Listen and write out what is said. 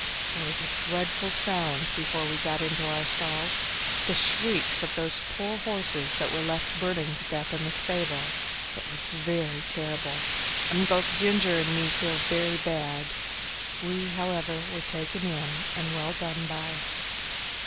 There was a dreadful sound before we got into our stalls the shrieks of those poor horses that were left burning to death in the stable it was very terrible! and made both Ginger and me feel very bad. We, however, were taken in and well done by.